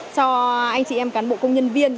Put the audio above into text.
cho anh chị em cán bộ công nhân viên